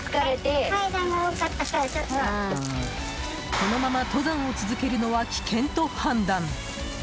このまま登山を続けるのは危険と判断。